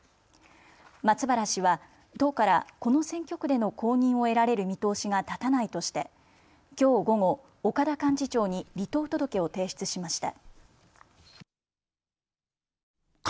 松原氏は党からこの選挙区での公認を得られる見通しが立たないとしてきょう午後、岡田幹事長に離党届を提出しました。